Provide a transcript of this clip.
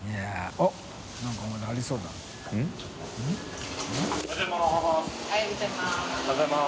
おはようございます。